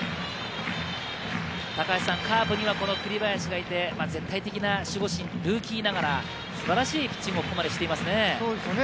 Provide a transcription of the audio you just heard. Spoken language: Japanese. カープにはこの栗林がいて絶対的な守護神、ルーキーながら、素晴らしいピッチングをここまでしていますよね。